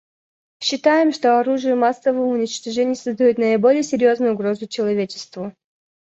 Считаем, что оружие массового уничтожения создает наиболее серьезную угрозу человечеству.